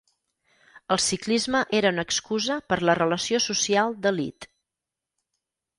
El ciclisme era una excusa per la relació social d'elit.